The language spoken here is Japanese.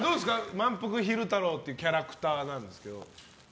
まんぷく昼太郎っていうキャラクターなんですけど。